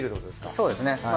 そうですね。